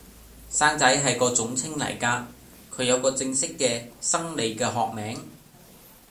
生仔係個總稱嚟噶，佢有個正式嘅、生理嘅學名